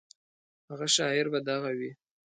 هغه شاعر به دغه وي.